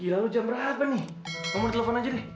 gila lu jam berapa nih mau telepon aja deh